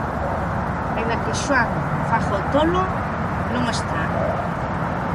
Ainda que Xoán faga o tolo, non o está!